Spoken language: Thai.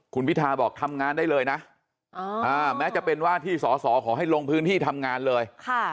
คุณพิทาบอกทำงานได้เลยนะแม้จะเป็นว่าที่สอสอขอให้ลงพื้นที่ทำงานเลย